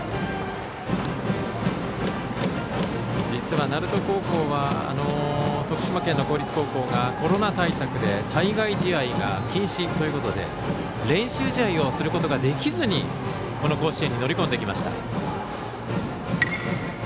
実は鳴門高校は徳島県の公立高校がコロナ対策で対外試合が禁止ということで練習試合をすることができずにこの甲子園に乗り込んできました。